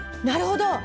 なるほど。